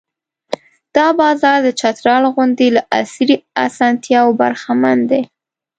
دا بازار د چترال غوندې له عصري اسانتیاوو برخمن دی.